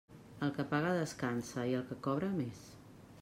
El que paga, descansa, i el que cobra, més.